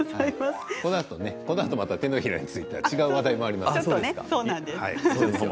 このあとまた手のひらについて違う話題があります。